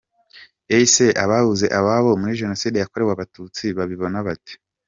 Ese ababuze ababo muri Jenoside yakorewe Abatutsi babibona bate?.